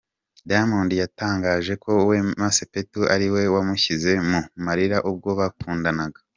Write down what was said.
Diamond yatangaje ko Wema Sepetu ariwe wamushyize mu marira ubwo bakundanaga.